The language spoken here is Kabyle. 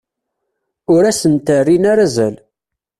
Ur asent-rrin ara azal.